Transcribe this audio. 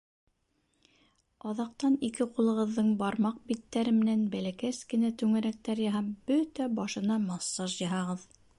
Аҙаҡтан ике ҡулығыҙҙың бармаҡ биттәре менән бәләкәс кенә түңәрәктәр яһап, бөтә башына массаж яһағыҙ.